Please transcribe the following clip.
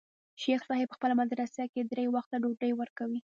شيخ صاحب په خپله مدرسه کښې درې وخته ډوډۍ وركوي.